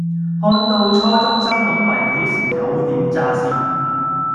看到初中生懂圍棋時有點咋舌